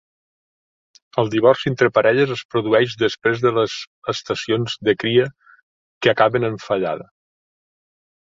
El divorci entre parelles es produeix després de les estacions de cria que acaben en fallada.